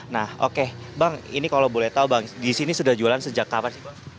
nah oke bang ini kalau boleh tahu bang di sini sudah jualan sejak kapan sih